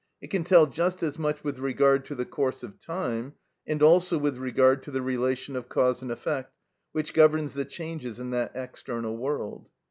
It can tell just as much with regard to the course of time, and also with regard to the relation of cause and effect which governs the changes in that external world.